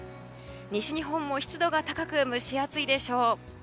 西日本も湿度が高く蒸し暑いでしょう。